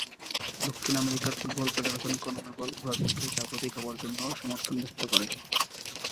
দক্ষিণ আমেরিকার football federation CONMEBOL ব্রাজিলকে স্বাগতিক হবার জন্যে সমর্থন ব্যক্ত করে।